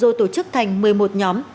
rồi tổ chức thành một mươi một nhóm